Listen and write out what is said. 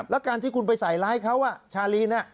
แล้วการที่คุณไปใส่ร้ายเขาชาลีน